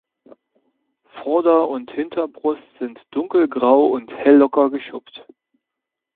Vorder- und Hinterbrust sind dunkelgrau und hellocker geschuppt.